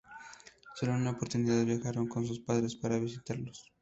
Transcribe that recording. Sólo en una oportunidad viajaron sus padres para visitarlos.